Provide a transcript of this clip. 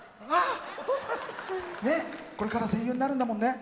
これから声優になるんだもんね。